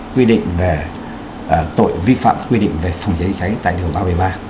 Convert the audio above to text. quy định về tội vi phạm quy định về phòng cháy cháy tại đường ba trăm một mươi ba